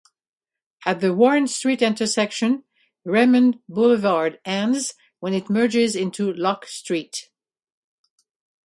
At the Warren Street intersection, Raymond Boulevard ends when it merges into Lock Street.